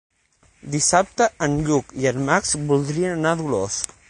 Dissabte en Lluc i en Max voldrien anar a Dolors.